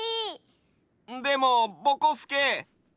でもぼこすけ。